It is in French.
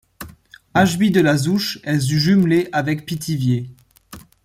Ashby-de-la-Zouch est jumelée avec Pithiviers.